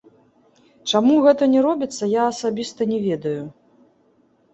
Чаму гэта не робіцца, я асабіста не ведаю.